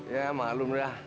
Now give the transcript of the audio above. ya malum dah